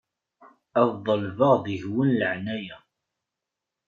Ad ḍelbeɣ deg-wen leεnaya.